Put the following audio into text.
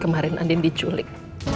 kemarin andin diculik